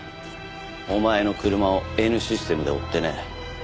お前の車をＮシステムで追ってね。